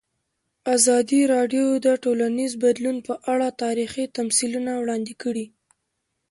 ازادي راډیو د ټولنیز بدلون په اړه تاریخي تمثیلونه وړاندې کړي.